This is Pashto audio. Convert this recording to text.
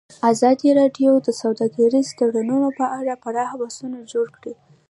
ازادي راډیو د سوداګریز تړونونه په اړه پراخ بحثونه جوړ کړي.